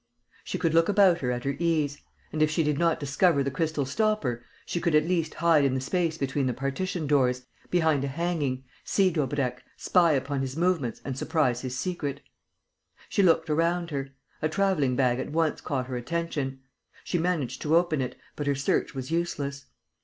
She could look about at her ease; and, if she did not discover the crystal stopper, she could at least hide in the space between the partition doors, behind the hanging, see Daubrecq, spy upon his movements and surprise his secret. She looked around her. A travelling bag at once caught her attention. She managed to open it; but her search was useless.